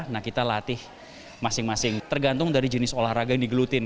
nah kita latih masing masing tergantung dari jenis olahraga yang digelutin